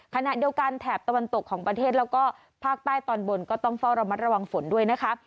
ขณะเดียวกันแถบตะวันตกของประเทศแล้วก็ภาคใต้ตอนบนก็ต้องเฝ้าระมัดระวังฝนด้วยนะคะ